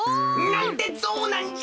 なんでゾウなんじゃ！